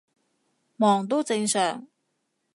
忙都正常